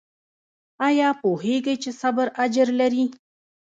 ایا پوهیږئ چې صبر اجر لري؟